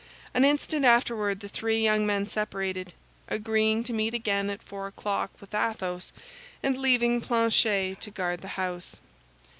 An instant afterward the three young men separated, agreeing to meet again at four o'clock with Athos, and leaving Planchet to guard the house.